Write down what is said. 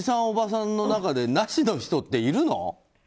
おばさんの中でなしの人っているの？